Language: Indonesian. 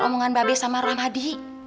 omongan be sama ramadi